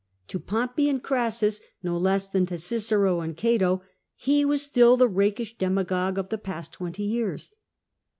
To Pompey and Crassus, no less than to Cicero and Cato, he was still the rakish demagogue of the past twenty years.